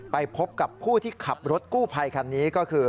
ไปพบกับผู้ที่ขับรถกู้ภัยคันนี้ก็คือ